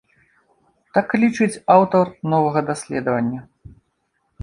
Так лічыць аўтар новага даследавання.